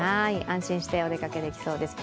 安心してお出かけできそうです。